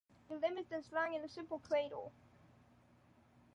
The limb is then slung in a simple cradle.